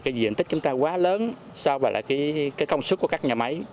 cái diện tích chúng ta quá lớn so với cái công suất của các nhà máy